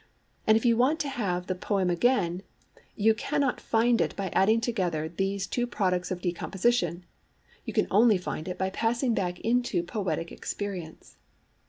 And if you want to have the poem again, you cannot find it by adding together these two products of decomposition; you can only find it by passing back into poetic experience.